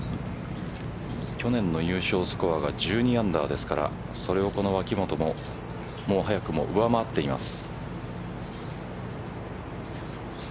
去年の優勝スコアが１２アンダーですからそれをこの脇元ももう早くも上回っています。